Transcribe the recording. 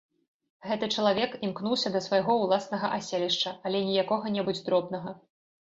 Гэты чалавек імкнуўся да свайго ўласнага аселішча, але не якога-небудзь дробнага.